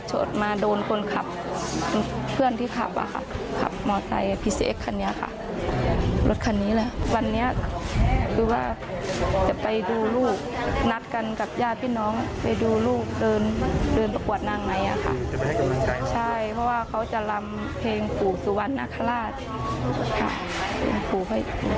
ใช่เพราะว่าเขาจะลำเพลงภูสุวรรณนครราช